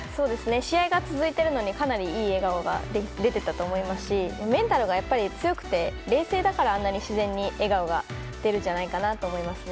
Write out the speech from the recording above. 試合が続いているのにかなりいい笑顔が出ていたと思いますしメンタルがやっぱり強くて冷静だからあんなに自然に笑顔が出るんじゃないかなと思います。